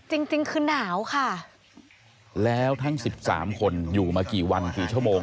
จริงจริงคือหนาวค่ะแล้วทั้งสิบสามคนอยู่มากี่วันกี่ชั่วโมง